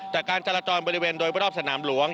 แต่การจราจรบริเวณโดยรอบสนามหลวง